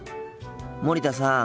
森田さん。